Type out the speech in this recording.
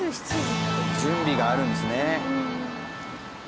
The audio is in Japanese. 準備があるんですね。